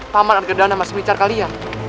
paman agardana masih melicar kalian